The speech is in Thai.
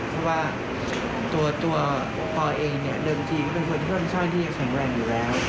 เพราะว่าตัวปอร์เองเนี่ยเริ่มชอบที่ว่าแข็งแรงอยู่แล้ว